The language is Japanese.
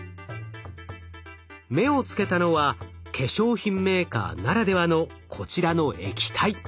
目をつけたのは化粧品メーカーならではのこちらの液体。